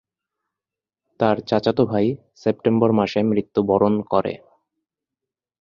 তার চাচাতো ভাই সেপ্টেম্বর মাসে মৃত্যুবরণ করে।